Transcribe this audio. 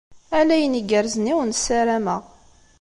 Ala ayen igerrzen i awen-ssarameɣ.